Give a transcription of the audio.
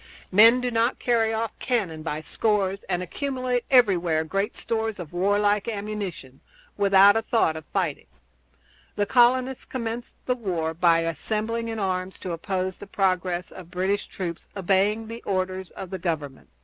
Men do not carry off cannon by scores, and accumulate everywhere great stores of warlike ammunition, without a thought of fighting. The colonists commenced the war by assembling in arms to oppose the progress of British troops obeying the orders of the Government.